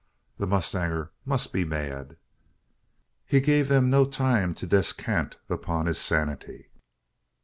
The mustanger must be mad? He gave them no time to descant upon his sanity.